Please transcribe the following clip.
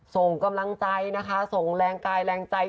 ส่งกำลังใจนะคะส่งแรงกายแรงใจ